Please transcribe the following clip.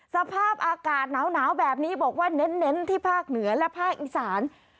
สภาพอากาศหนาวแบบนี้บอกว่าเน้นที่ภาคเหนือและภาคอีสาน